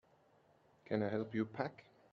Can I help you pack?